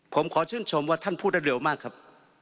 ผมขอชื่นชมว่าท่านพูดได้เร็วมากครับ